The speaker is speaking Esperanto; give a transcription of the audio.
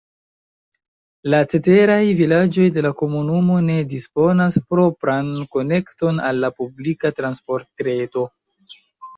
La ceteraj vilaĝoj de la komunumo ne disponas propran konekton al la publika transportreto.